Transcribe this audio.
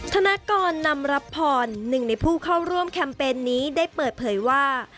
ธนากรนำรับพรหนึ่งในผู้เข้าร่วมแคมเปญนี้ได้เปิดเผยว่า